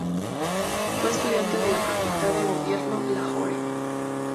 Fue estudiante de la Facultad de Gobierno Lahore.